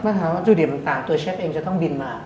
มาตรฐานว่าวัตถุดิบต่างตัวเชฟเองจะต้องบินมา